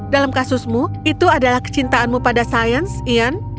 dalam kasusmu itu adalah kecintaanmu pada sains ian